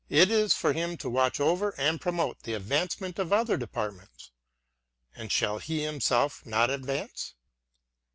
It is for him to watch over and promote the advancement of other departments;' — and shall he himself not advance?